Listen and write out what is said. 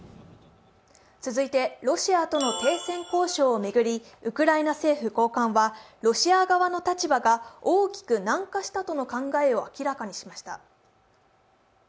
続いて、ロシアとの停戦交渉を巡り、ウクライナ政府高官は、ロシア側の立場が大きく軟化したとの考えを明らかにしました。